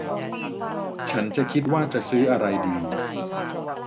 ฉันจะคิดว่าจะซื้ออะไรดี